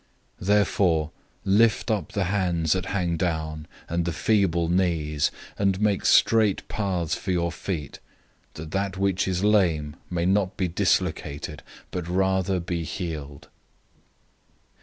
012:012 Therefore, lift up the hands that hang down and the feeble knees,{Isaiah 35:3} 012:013 and make straight paths for your feet,{Proverbs 4:26} so that which is lame may not be dislocated, but rather be healed.